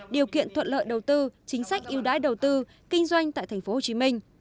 điều kiện thuận lợi đầu tư chính sách yêu đái đầu tư kinh doanh tại thành phố hồ chí minh